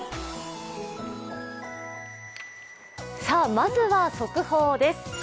まずは速報です。